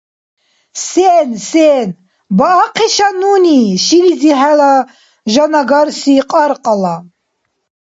Сен–сен баахъиша нуни шилизи хӏела жанагарси кьаркьала?